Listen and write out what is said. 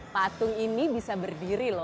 patung ini bisa berdiri loh